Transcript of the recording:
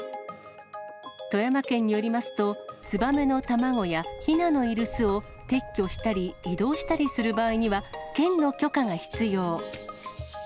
富山県によりますと、ツバメの卵やヒナのいる巣を撤去したり、移動したりする場合には、県の許可が必要。